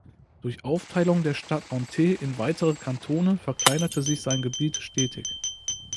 Durch Aufteilung der Stadt Nantes in weitere Kantone verkleinerte sich sein Gebiet stetig.